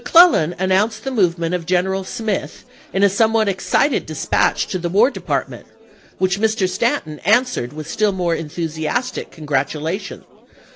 McClellan announced the movement of General Smith in a somewhat excited dispatch to the War Department, which Mr. Stanton answered with still more enthusiastic congratulation.